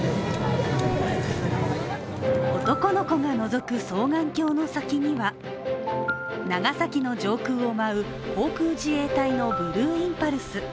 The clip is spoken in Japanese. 男の子がのぞく双眼鏡の先には長崎の上空を舞う、航空自衛隊のブルーインパルス。